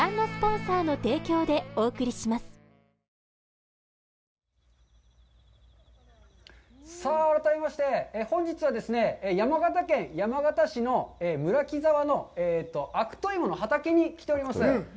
向井、続いては？さあ、改めまして、本日はですね、山形県山形市の村木沢の悪戸いもの畑に来ております。